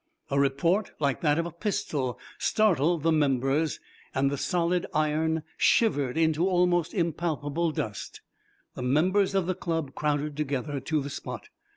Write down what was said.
A report like that of a pistol startled the members, and the solid iron shivered into almost impalpable dust. The members of the Club crowded together to the spot.